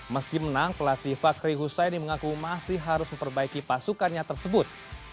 meski menang pelatih fakri husaini mengaku masih harus memperbaiki pasukannya tersebut